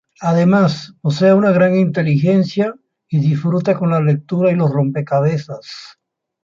Además, posee una gran inteligencia, y disfruta con la lectura y los rompecabezas.